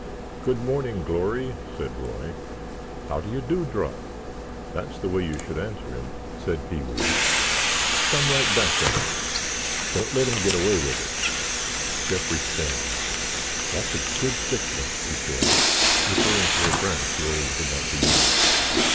"Good morning glory," said Roy. "How do you do drop—that's the way you should answer him," said Pee wee; "come right back at him—don't let him get away with it." Jeffrey stared. "That's a good thick one," he said, referring to a branch Roy was about to use.